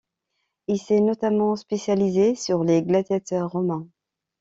Il s'est notamment spécialisé sur les gladiateurs romains.